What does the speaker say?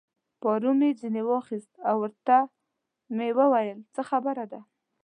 پارو مې ځینې واخیست او ورته مې وویل: څه خبره ده؟